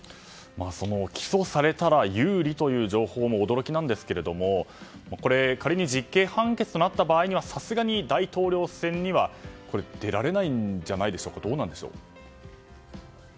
起訴されたら有利という情報も驚きなんですけどこれ、仮に実刑判決となった場合にはさすがに大統領選には出られないんじゃないんでしょうか。